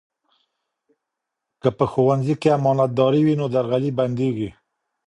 که په ښوونځي کې امانتداري وي، نو درغلي بندېږي.